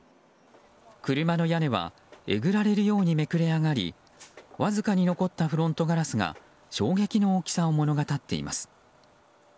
車の屋根はえぐられるようにめくれ上がりわずかに残ったフロントガラスが衝撃の大きさを物語っています。